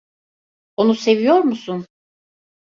Onu seviyor musun?